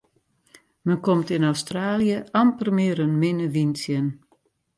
Men komt yn Australië amper mear in minne wyn tsjin.